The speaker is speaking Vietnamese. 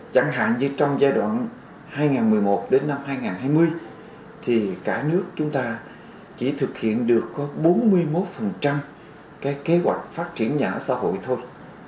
chẳng hạn như trong giai đoạn hai nghìn một mươi một đến năm hai nghìn hai mươi thì cả nước chúng ta chỉ thực hiện được có bốn mươi một cái kế hoạch phát triển nhà ở xã hội thôi